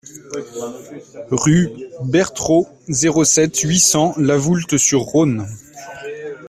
Rue Bertraud, zéro sept, huit cents La Voulte-sur-Rhône